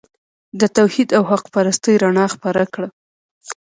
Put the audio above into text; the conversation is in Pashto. د توحید او حق پرستۍ رڼا خپره کړه.